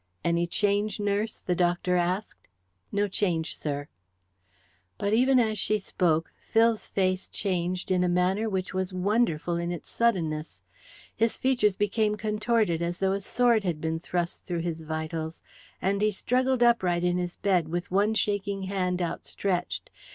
"Any change, nurse?" the doctor asked. "No change, sir." But even as she spoke Phil's face changed in a manner which was wonderful in its suddenness. His features became contorted, as though a sword had been thrust through his vitals, and he struggled upright in his bed, with one shaking hand outstretched.